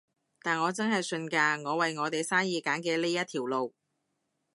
但我真係信㗎，我為我哋生意揀嘅呢一條路